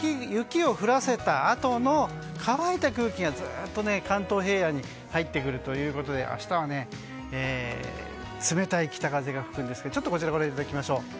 雪を降らせたあとの乾いた空気がずっと関東平野に入ってくるということで明日は冷たい北風が吹くんですけど。